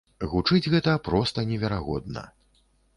Гучыць гэта проста неверагодна.